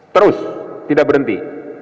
terus tidak berhenti